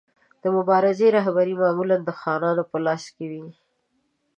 د مبارزې رهبري معمولا د خانانو په لاس کې وه.